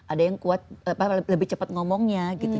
ada yang kuat lebih cepat ngomongnya gitu